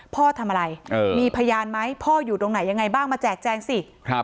พ่อทำอะไรมีพยานไหมพ่ออยู่ตรงไหนยังไงบ้างมาแจกแจงสิ